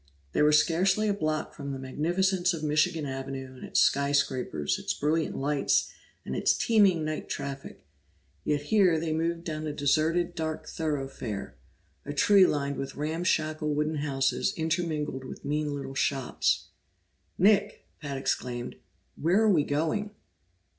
They were scarcely a block from the magnificence of Michigan Avenue and its skyscrapers, its brilliant lights, and its teeming night traffic, yet here they moved down a deserted dark thoroughfare, a street lined with ramshackle wooden houses intermingled with mean little shops. "Nick!" Pat exclaimed. "Where are we going?"